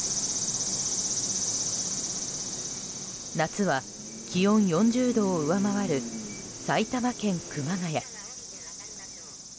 夏は気温４０度を上回る埼玉県熊谷。